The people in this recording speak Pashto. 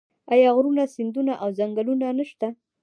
آیا غرونه سیندونه او ځنګلونه نشته؟